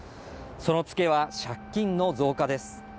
そのツケは借金の増加です